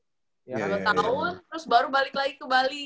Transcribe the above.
satu tahun terus baru balik lagi ke bali